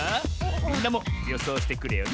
みんなもよそうしてくれよな